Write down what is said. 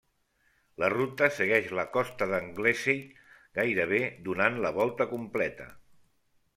La ruta segueix la costa d'Anglesey, gairebé donant la volta completa.